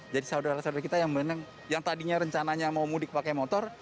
jadi saudara saudara kita yang tadinya rencananya mau mudik pakai motor